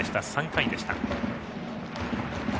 ３回でした。